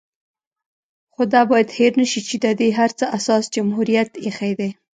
خو دا بايد هېر نشي چې د دې هر څه اساس جمهوريت ايښی دی